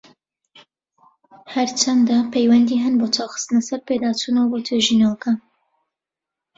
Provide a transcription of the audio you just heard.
هەرچەندە، پەیوەندی هەن بۆ چاو خستنە سەر پێداچونەوە بۆ توێژینەوەکە.